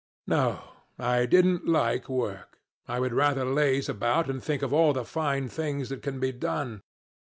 No, I don't like work. I had rather laze about and think of all the fine things that can be done.